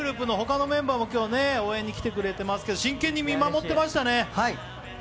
ｇｒｏｕｐのほかのメンバーも今日、応援に来てくれてますけど真剣に見守ってましたね。